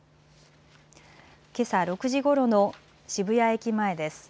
けさ６時ごろの渋谷駅前です。